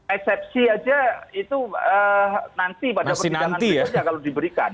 eksepsi aja itu nanti pada pertidangan tersebut ya kalau diberikan